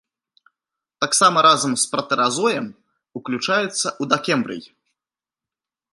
Таксама разам з пратэразоем уключаецца ў дакембрый.